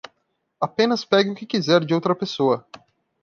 Apenas pegue o que quiser de outra pessoa